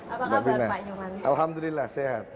apa kabar pak nyoman alhamdulillah sehat